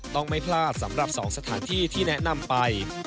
ต้องไม่พลาดสำหรับ๒สถานที่ที่แนะนำไป